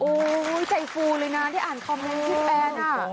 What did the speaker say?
โอ้ยใจฟูเลยนะที่อ่านคอมเม้อ